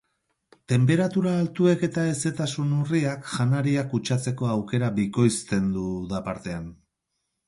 Tenperatura altuek eta hezetasun urriak janaria kutsatzeko aukera bikoitzen du uda partean.